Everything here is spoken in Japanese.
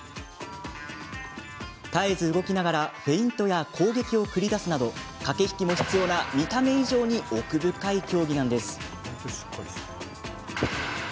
絶えず動きながらフェイントや攻撃を繰り出すなど駆け引きも必要な見た目以上に奥深い競技なんです。